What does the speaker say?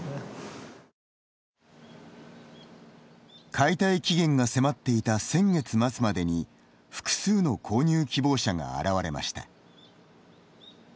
解体期限が迫っていた先月末までに複数の購入希望者が現れました。